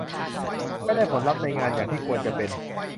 ไม่ได้ผลลัพธ์ในงานอย่างที่ควรจะเป็น